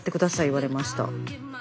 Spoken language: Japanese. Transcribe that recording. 言われました。